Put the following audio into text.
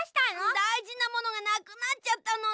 だいじなものがなくなっちゃったのだ。